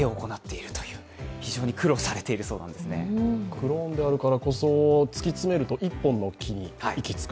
クローンであるからこそ、突き詰めると１本の木に行き着く。